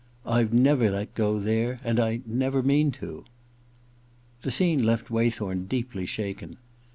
I've never let go there — and I never mean to.' ••.•«. The scene left Waythorn deeply shaken.